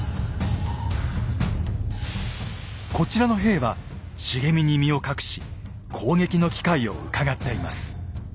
こちらの兵は茂みに身を隠し攻撃の機会をうかがっています。